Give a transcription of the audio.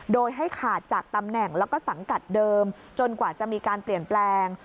โดยให้ขาดจากตำแหน่งแล้วก็สังกัดเดิมจนกว่าจะมีการเปลี่ยนแปลง